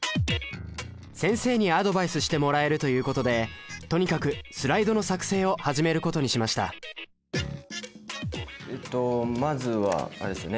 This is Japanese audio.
先生にアドバイスしてもらえるということでとにかくスライドの作成を始めることにしましたえっとまずはあれですよね